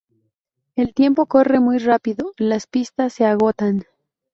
El tiempo corre muy rápido, las pistas se agotan.